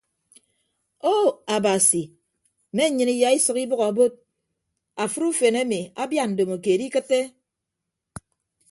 Ou abasi mme nnyịn iyaisʌk ibʌk abod afịd ufen emi abia ndomokeed ikịtte.